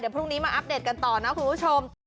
พรุ่งนี้มาอัปเดตกันต่อนะคุณผู้ชม